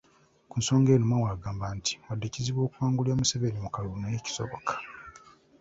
Ku nsonga eno, Mao agamba nti wadde kizibu okuwangulira Museveni mu kalulu naye kisoboka.